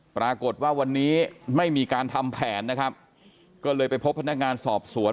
ปรากฏว่าวันนี้ไม่มีการทำแผนนะครับก็เลยไปพบพนักงานสอบสวน